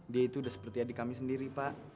dia itu udah seperti adik kami sendiri pak